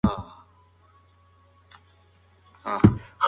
لوښي چې د مکروبونو پر سطحې کارول شوي وي، باید وروسته پاک شي.